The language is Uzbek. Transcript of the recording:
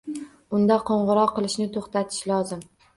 Unda qo‘ng‘iroq qilishni to‘xtatish lozim.